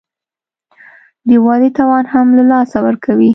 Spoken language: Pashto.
د ودې توان هم له لاسه ورکوي